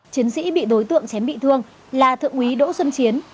chiến sĩ bị đối tượng chém bị thương là thượng úy đỗ xuân chiến